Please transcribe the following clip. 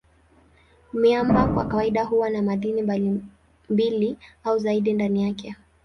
Miamba kwa kawaida huwa na madini mbili au zaidi ndani yake.